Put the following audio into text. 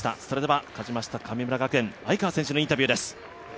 それでは勝ちました神村学園愛川選手のインタビューです。